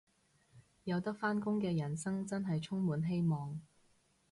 有得返工嘅人生真係充滿希望